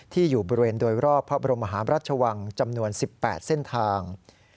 อยู่บริเวณโดยรอบพระบรมหาราชวังจำนวน๑๘เส้นทาง